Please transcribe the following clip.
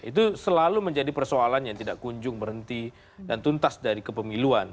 itu selalu menjadi persoalan yang tidak kunjung berhenti dan tuntas dari kepemiluan